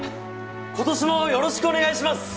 今年もよろしくお願いします！